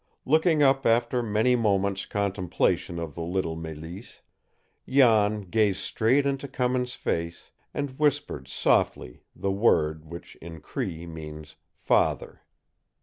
Looking up after many moments' contemplation of the little Mélisse, Jan gazed straight into Cummins' face, and whispered softly the word which in Cree means "father."